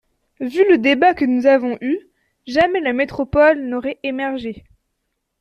Vu le débat que nous avons eu, jamais la métropole n’aurait émergé.